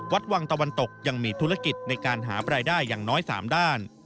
วัดวังตะวันตกยังมีธุรกิจในการหารายได้อย่างน้อย๓ด้าน